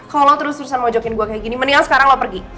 kalau terus terusan mojokin gue kayak gini mendingan sekarang lo pergi